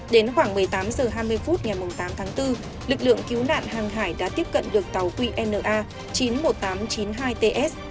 đến khoảng một mươi tám h hai mươi phút ngày tám tháng bốn lực lượng cứu nạn hàng hải đã tiếp cận được tàu qna chín mươi một nghìn tám trăm chín mươi hai ts